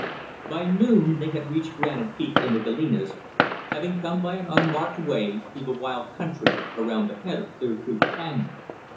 By noon, they had reached Granite Peak in the Galenas, having come by an unmarked way, through the wild country around the head of Clear Creek Canyon.